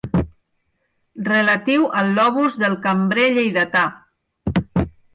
Relatiu al lobus del cambrer lleidatà.